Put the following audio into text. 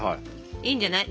いいんじゃない。